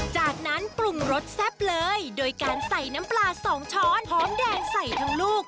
จากนั้นปรุงรสแซ่บเลยโดยการใส่น้ำปลาสองช้อนหอมแดงใส่ทั้งลูก